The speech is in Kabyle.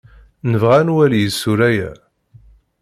Nebɣa ad nwali isura-a.